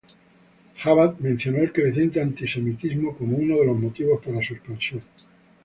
Jabad mencionó el creciente antisemitismo como uno de los motivos para su expansión.